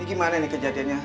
ini gimana nih kejadiannya